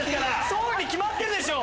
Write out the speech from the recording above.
そうに決まってるでしょ。